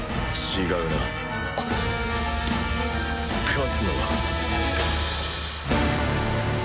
勝つのは。